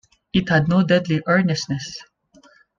It had no deadly earnestness.